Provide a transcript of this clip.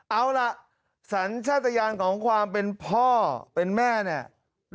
เอาล่ะสัญชาติยานของความเป็นพ่อเป็นแม่เนี่ย